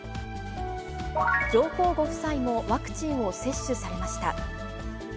上皇ご夫妻もワクチンを接種されました。